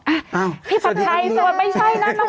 อ้าวพี่ผัดไทยพี่ผัดไทยสวัสดีครับ